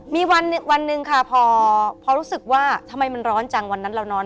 มีวันหนึ่งค่ะพอรู้สึกว่าทำไมมันร้อนจังวันนั้นเรานอน